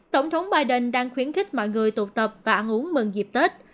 tổng thống biden đang khuyến khích mọi người tụ tập và ăn uống mừng dịp tết